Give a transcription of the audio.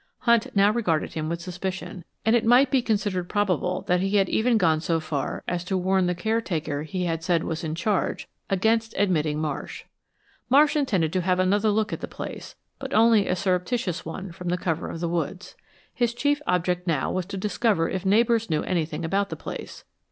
Hunt now regarded him with suspicion, and it might be considered probable that he had even gone so far as to warn the caretaker he had said was in charge, against admitting Marsh. Marsh intended to have another look at the place, but only a surreptitious one from the cover of the woods. His chief object now was to discover if neighbors knew anything about the place.